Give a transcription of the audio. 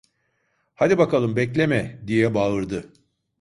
"Hadi bakalım, bekleme!" diye bağırdı.